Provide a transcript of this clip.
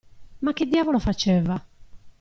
"Ma che diavolo faceva.